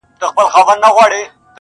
نه په خوله فریاد له سرولمبو لري٫